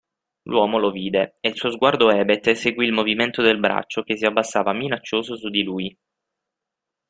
L'uomo lo vide e il suo sguardo ebete seguì il movimento del braccio che si abbassava minaccioso su di lui.